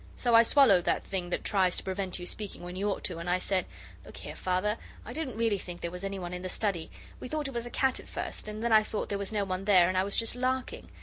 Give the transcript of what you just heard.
So I swallowed that thing that tries to prevent you speaking when you ought to, and I said, 'Look here, Father, I didn't really think there was any one in the study. We thought it was a cat at first, and then I thought there was no one there, and I was just larking.